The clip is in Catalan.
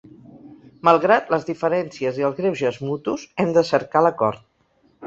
Malgrat les diferències i els greuges mutus, hem de cercar l’acord.